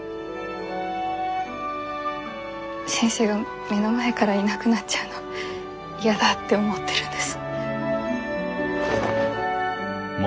先生が目の前からいなくなっちゃうのやだって思ってるんです。